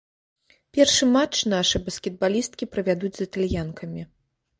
Першы матч нашы баскетбалісткі правядуць з італьянкамі.